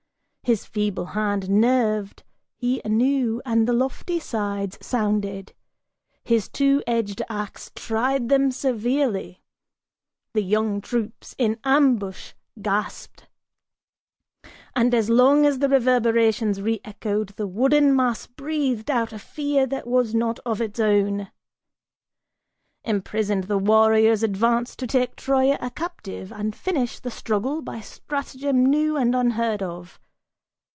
His feeble hand nerved he anew, and the lofty sides sounded, His two edged ax tried them severely. The young troops in ambush Gasped. And as long as the reverberations re echoed The wooden mass breathed out a fear that was not of its own. Imprisoned, the warriors advance to take Troia a captive And finish the struggle by strategem new and unheard of.